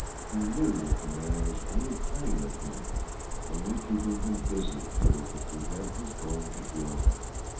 He knew that the man was only playing with him, only keeping him busy here to prevent his going to Gilda.